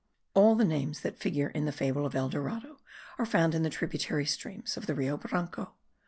All the names that figure in the fable of El Dorado are found in the tributary streams of the Rio Branco.